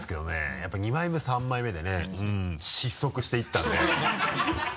やっぱり２枚目３枚目でね失速していったんで。